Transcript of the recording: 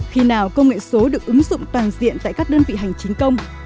khi nào công nghệ số được ứng dụng toàn diện tại các đơn vị hành chính công